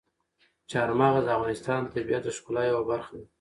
چار مغز د افغانستان د طبیعت د ښکلا یوه برخه ده.